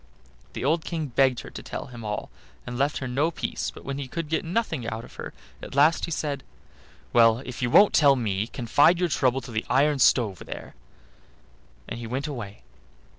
The old King begged her to tell him all, and left her no peace, but he could get nothing out of her. At last he said: "Well, if you won't tell me, confide your trouble to the iron stove there," and he went away.